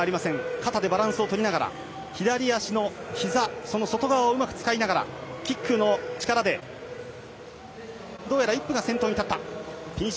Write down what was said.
肩でバランスを取りながら左足のひざその外側をうまく使いながらキックの力でどうやらイップが先頭に立った。